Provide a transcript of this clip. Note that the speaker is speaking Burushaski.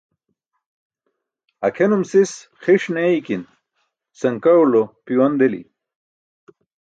Akʰenum sis xiṣ ne eykin, sankaẏulo piwan deli.